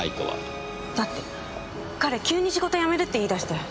だって彼急に仕事辞めるって言い出して。